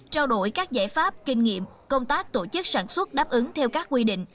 trao đổi các giải pháp kinh nghiệm công tác tổ chức sản xuất đáp ứng theo các quy định